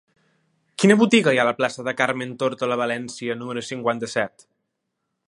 Quina botiga hi ha a la plaça de Carmen Tórtola Valencia número cinquanta-set?